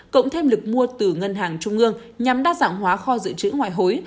cộng thêm lực mua từ ngân hàng trung ương nhằm đa dạng hóa kho dự trữ ngoại hối